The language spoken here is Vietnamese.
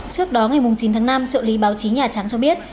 trước đó ngày chín tháng năm trợ lý báo chí nhà trắng cho biết